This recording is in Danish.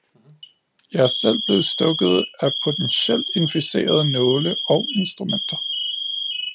Jeg er selv blevet stukket af potentielt inficerede nåle og instrumenter.